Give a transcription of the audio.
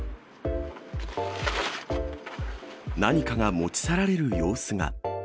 何かが持ち去られる様子が。